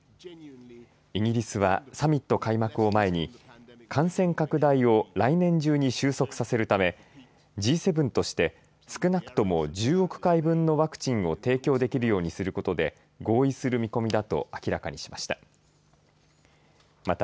イギリスは、サミット開幕を前に感染拡大を来年中に収束させるためＧ７として少なくとも１０億回分のワクチンを提供できるようにすることで合意する見込みだと明らかにしました。